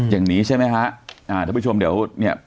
อย่างนี้ใช่ไหมฮะอ่าท่านผู้ชมเดี๋ยวเนี่ย